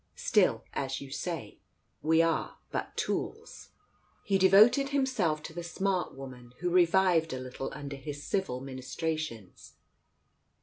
" Still, as you say, we are but tools " He devoted himself to the smart woman, who revived a little under his civil ministrations.